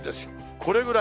これぐらい。